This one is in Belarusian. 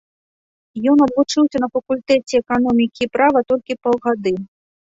Ён адвучыўся на факультэце эканомікі і права толькі паўгады.